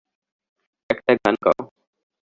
একটা গান গাও।